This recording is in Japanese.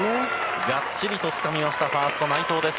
がっちりとつかみましたファースト内藤です。